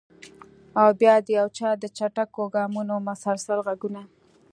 او بیا د یو چا د چټکو ګامونو مسلسل غږونه!